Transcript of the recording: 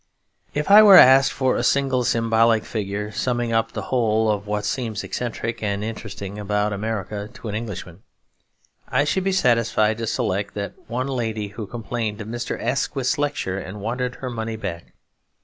If I were asked for a single symbolic figure summing up the whole of what seems eccentric and interesting about America to an Englishman, I should be satisfied to select that one lady who complained of Mrs. Asquith's lecture and wanted her money back.